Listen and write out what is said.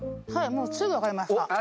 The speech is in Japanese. もうすぐ分かりました。